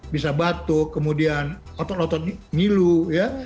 bisa batuk kemudian otot otot ngilu ya